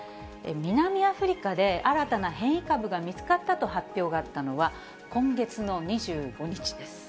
南アフリカで新たな変異株が見つかったと発表があったのは、今月の２５日です。